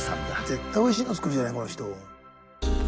絶対おいしいの作るじゃないこの人。